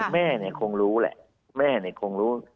แม่นี่คงรู้แหละแม่นี่คงรู้